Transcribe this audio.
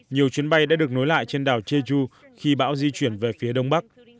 nhiều chuyến bay đã được nối lại trên đảo jeju khi bão di chuyển về phía đông bắc